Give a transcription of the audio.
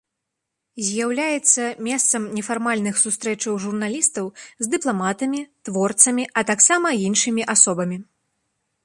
З'яўляецца месцам нефармальных сустрэчаў журналістаў з дыпламатамі, творцамі, а таксама іншымі асобамі.